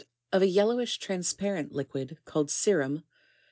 Of a yellowish, transparent liquid, called Sert/m.